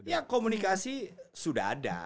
ya komunikasi sudah ada